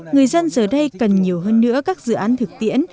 người dân giờ đây cần nhiều hơn nữa các dự án thực tiễn